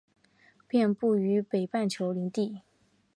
遍布于北半球林地。